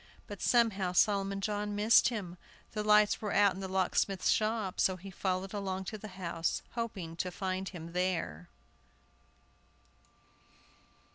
But somehow Solomon John missed him; the lights were out in the locksmith's shop, so he followed along to the house, hoping to find him there.